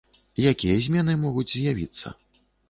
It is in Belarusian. Якія змены могуць з'явіцца?